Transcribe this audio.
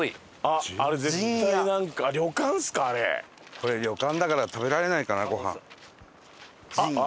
これ旅館だから食べられないかなごはん。